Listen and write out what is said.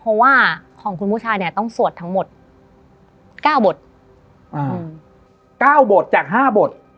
เพราะว่าของคุณผู้ชายเนี้ยต้องสวดทั้งหมดเก้าบทอ่าเก้าบทจากห้าบท